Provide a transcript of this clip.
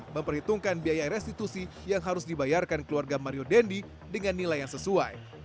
memperhitungkan biaya restitusi yang harus dibayarkan keluarga mario dendi dengan nilai yang sesuai